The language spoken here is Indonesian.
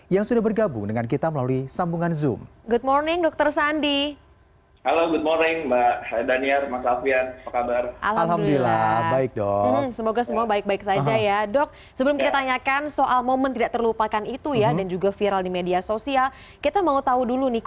yang sudah bergabung dengan kita melalui video ini